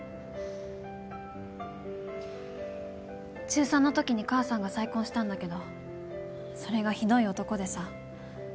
中３のときに母さんが再婚したんだけどそれがひどい男でさ。